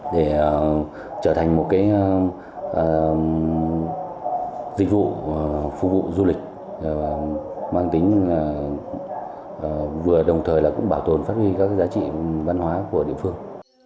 để trở thành một dịch vụ phục vụ du lịch mang tính vừa đồng thời bảo tồn phát huy các giá trị văn hóa của địa phương